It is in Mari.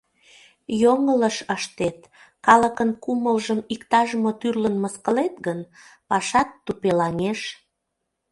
Йоҥылыш ыштет, калыкын кумылжым иктаж-мо тӱрлын мыскылет гын, пашат тупелаҥеш.